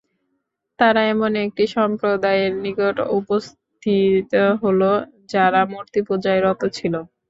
তারা এমন একটি সম্প্রদায়ের নিকট উপস্থিত হলো, যারা মূর্তি পূজায় রত ছিল।